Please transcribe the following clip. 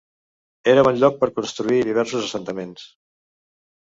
Era bon lloc per construir diversos assentaments.